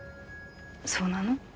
そうなの？